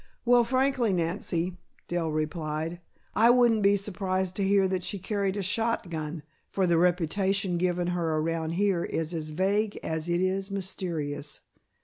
"Well, frankly, Nancy," Dell replied, "I wouldn't be surprised to hear that she carried a shotgun, for the reputation given her around here is as vague as it is mysterious.